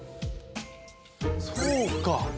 そうか！